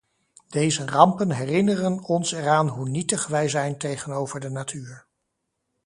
Deze rampen herinneren ons eraan hoe nietig wij zijn tegenover de natuur.